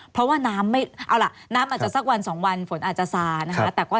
เพราะว่าน้ำไม่เอาล่ะน้ำอาจจะสักวันสองวันฝนอาจจะซานะคะ